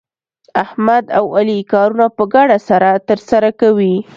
احمد او علي کارونه په ګډه سره ترسره کوي.